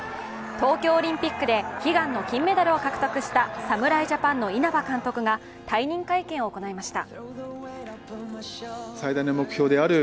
東京オリンピックで悲願の金メダルを獲得した侍ジャパンの稲場監督が退任会見を行いました。